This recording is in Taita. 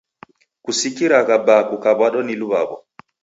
Kusikiragha baa kukaw'adwa ni luw'aw'o.